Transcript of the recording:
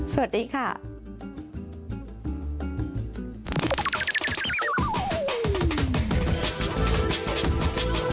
สวัสดีค่ะ